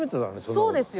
そうですよ。